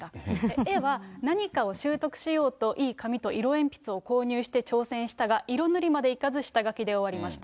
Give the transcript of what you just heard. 絵は何かを習得しようといい紙と色鉛筆を購入して挑戦したが、色塗りまでいかず、下描きで終わりました。